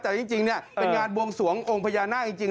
แต่จริงเป็นงานบวงสวงองค์พญานาคจริง